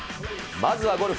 まずはゴルフ。